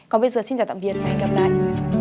còn bây giờ xin chào tạm biệt và hẹn gặp lại